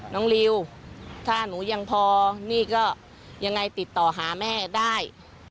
ริวถ้าหนูยังพอนี่ก็ยังไงติดต่อหาแม่ได้